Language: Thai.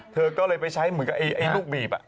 เธอก็เลยไปใช้เหมือนกับไอ้ลูกบีบ